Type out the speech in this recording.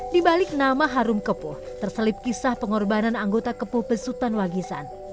di balik nama harum kepuh terselip kisah pengorbanan anggota kepuh besutan wagisan